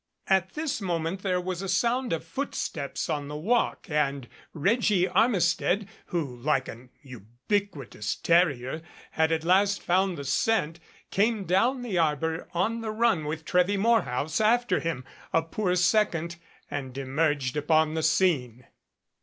At this moment there was a sound of footsteps on the walk and Reggie Armistead, who, like an ubiquitous ter rier, had at last found the scent, came down the arbor on the run with Trewy Morehouse after him, a poor second, and emerged upon the scene.